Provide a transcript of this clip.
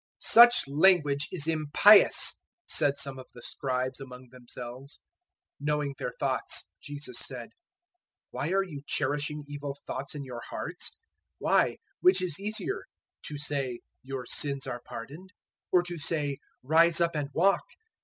009:003 "Such language is impious," said some of the Scribes among themselves. 009:004 Knowing their thoughts Jesus said, "Why are you cherishing evil thoughts in your hearts? 009:005 Why, which is easier? to say, `Your sins are pardoned,' or to say `Rise up and walk'?